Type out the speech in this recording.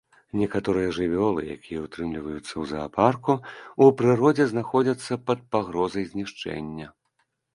Некаторыя жывёлы, якія ўтрымліваюцца ў заапарку, у прыродзе знаходзяцца пад пагрозай знішчэння.